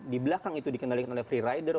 di belakang itu dikendalikan oleh free rider